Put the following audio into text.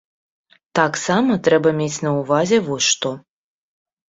Таксама трэба мець на ўвазе вось што.